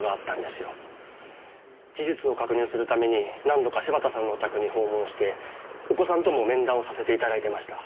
事実を確認するために何度か柴田さんのお宅に訪問してお子さんとも面談をさせて頂いてました。